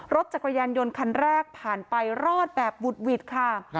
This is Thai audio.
รถจักรยานยนต์คันแรกผ่านไปรอดแบบบุดหวิดค่ะ